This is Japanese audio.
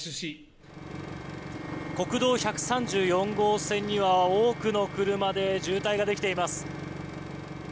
国道１３４号線には多くの車で渋滞ができています。